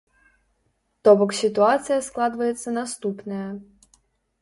То бок сітуацыя складваецца наступная.